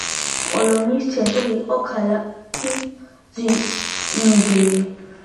კოლონიის ცენტრი იყო ქალაქი ზინდერი.